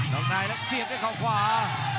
อกในแล้วเสียบด้วยเขาขวา